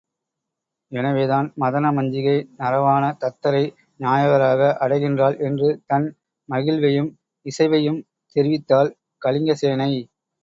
எனவேதான் மதன மஞ்சிகை நரவாண தத்தரை நாயகராக அடைகின்றாள் என்று தன் மகிழ்வையும் இசைவையும் தெரிவித்தாள் கலிங்கசேனை.